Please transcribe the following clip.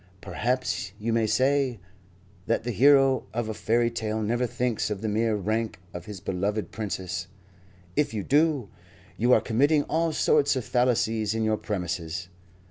Perhaps you may say that the hero of a fairy tale never thinks of the mere rank of his beloved princess. If you do, you are committing all sorts of fallacies in your premises.